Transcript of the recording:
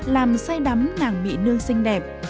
làm say đắm nàng mị nương xinh đẹp